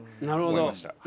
なるほど。